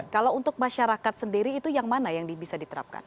kalau untuk masyarakat sendiri itu yang mana yang bisa diterapkan